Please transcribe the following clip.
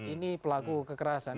ini pelaku kekerasan